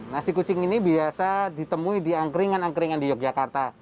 nasi kucing ini biasa ditemui di angkringan angkringan di yogyakarta